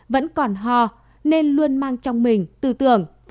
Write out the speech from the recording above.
vẫn còn ho nên luôn mang trong mình tư tưởng